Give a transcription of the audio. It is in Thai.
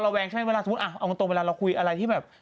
เราแวงใช่ไหมเวลาสมมุติอ่ะอังกษ์ตรงเวลาเราคุยอะไรที่แบบ